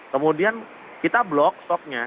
kemudian kita blok stoknya